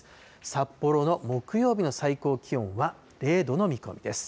札幌の木曜日の最高気温は０度の見込みです。